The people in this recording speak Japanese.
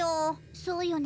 そうよね。